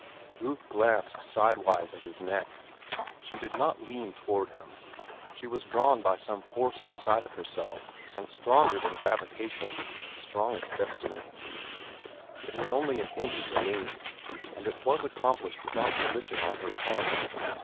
Ruth glanced sidewise at his neck. She did not lean toward him. She was drawn by some force outside of herself and stronger than gravitation, strong as destiny. It was only an inch to lean, and it was accomplished without volition on her part.